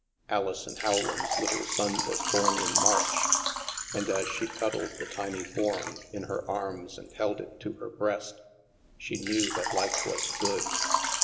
Alison Rowland's little son was bom in March. And as she cuddled the tiny form in her arms and held it to her breast, she knew that life was good.